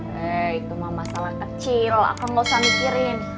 eh itu mah masalah kecil aku gak usah mikirin